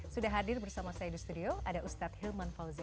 sudah hadir bersama saya di studio ada ustadz hilman fauzi